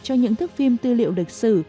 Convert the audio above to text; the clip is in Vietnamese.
cho những thức phim tư liệu lịch sử